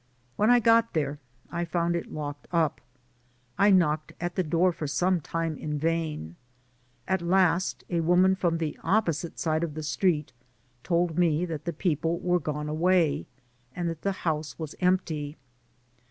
When I got there, I found it locked up. I knocked at the door for some time in vain; at last, a woman from the opposite side of the street told me that the people were gone away, and that the house was empty.